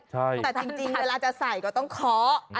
แต่จริงเวลาจะใส่ก็ต้องเคาะ